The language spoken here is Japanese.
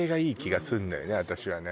私はね